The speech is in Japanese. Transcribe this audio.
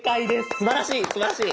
すばらしいすばらしい。